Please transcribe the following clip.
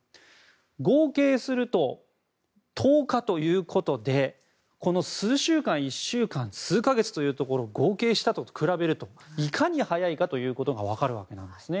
合計すると１０日ということでこの数週間、１週間数か月という期間を合計したのを比べるといかに早いかというのが分かるわけなんですね。